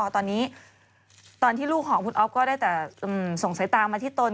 ตอนนี้ตอนที่ลูกของคุณอ๊อฟก็ได้แต่ส่งสายตามาที่ตน